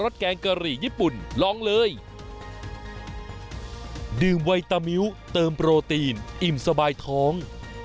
ตีนอิ่มสบายท้อง